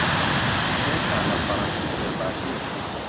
هێشتا لە فەڕەنسی زۆر باش نیم.